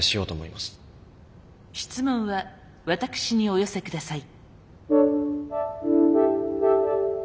質問は私にお寄せください。